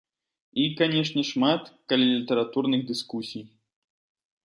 І, канечне, шмат калялітаратурных дыскусій.